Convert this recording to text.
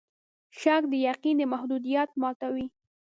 شک د یقین د محدودیت ماتوي.